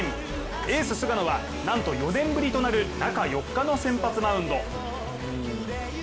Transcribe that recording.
エース・菅野はなんと４年ぶりとなる中４日の先発マウンド。